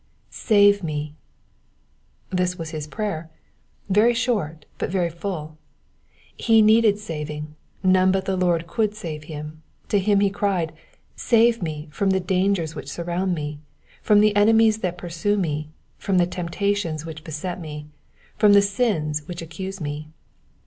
^'Save me.'^ This was his prayer; very short, but very full. He needed saving, none but the Lord could save him, to him he cried, '^ Save me^* from the dangers which surround me, from the enemies that pursue me, from the temptations which beset me, from the sins which accuse me.